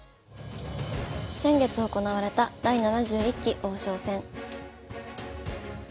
先月行われた第７１期王将戦。